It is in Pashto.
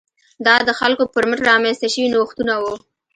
دا د خلکو پر مټ رامنځته شوي نوښتونه وو.